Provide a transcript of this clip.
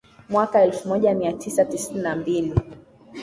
mwaka elfu moja mia tisa tisini na mbili